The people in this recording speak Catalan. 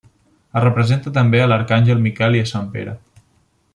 Es representa també a l'arcàngel Miquel i a Sant Pere.